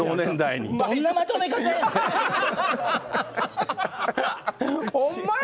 どんなまとめ方やねん。